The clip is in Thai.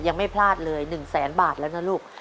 ยังไม่พลาดเลย๑แสนบาทแล้วนะลูก